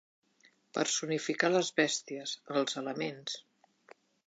Personificar les bèsties, els elements.